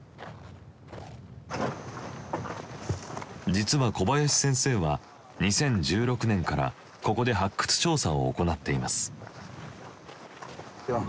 実は小林先生は２０１６年からここで発掘調査を行っています。